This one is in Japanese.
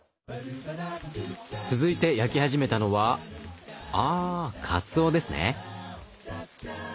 続いて焼き始めたのはああかつおですね。